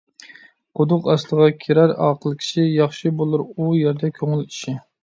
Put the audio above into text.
قۇدۇق ئاستىغا كىرەر ئاقىل كىشى، ياخشى بولۇر ئۇ يەردە كۆڭۈل ئىشى.